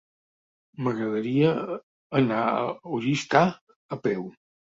M'agradaria anar a Oristà a peu.